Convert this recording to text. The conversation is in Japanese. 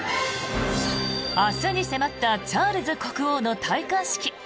明日に迫ったチャールズ国王の戴冠式。